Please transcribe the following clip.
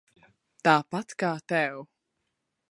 Tāpat kā tev.